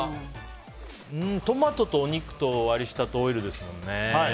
トマトとお肉と割り下とオイルですもんね。